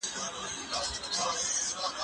هغه وويل چي اوبه څښل ضروري دي!؟